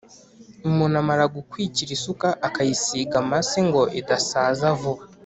Umuntu amara gukwikira isuka akayisiga amase ngo idasaza vuba,